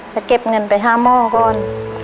อย่าเก็บเงินไปห้าม่อก่อน